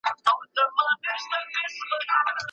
په خصوصي سکتور کي معاشونه څنګه دي؟